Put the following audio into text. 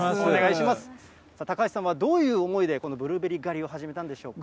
高橋さんはどういう思いで、このブルーベリー狩りを始めたんでしょうか。